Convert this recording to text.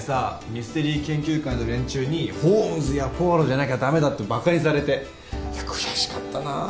ミステリー研究会の連中にホームズやポワロじゃなきゃ駄目だってバカにされて悔しかったなぁ